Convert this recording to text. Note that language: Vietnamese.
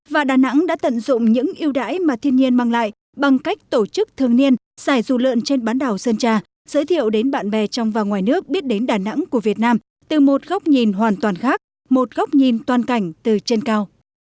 và đà nẵng đã tận dụng những yêu đãi mà thiên nhiên mang lại bằng cách tổ chức thường niên giải dù lượn trên bán đảo sơn trà giới thiệu đến bạn bè trong và ngoài nước biết đến đà nẵng của việt nam từ một góc nhìn hoàn toàn khác một góc nhìn toàn cảnh từ trên cao